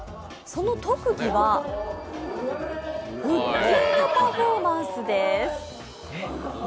その特技は、腹筋のパフォーマンスです。